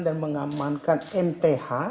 dan mengamankan mth